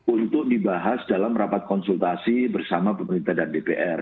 untuk dibahas dalam rapat konsultasi bersama pemerintah dan dpr